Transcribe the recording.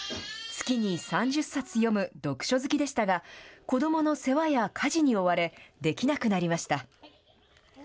月に３０冊読む読書好きでしたが、子どもの世話や家事に追われ、できなくなりました。